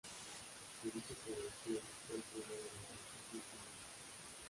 Se dice que Gokū fue el primero en alcanzar dicho nivel.